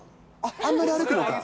あんまり歩くのが。